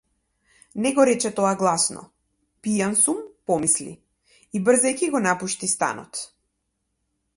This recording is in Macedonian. Не го рече тоа гласно, пијан сум помисли, и брзајќи го напушти станот.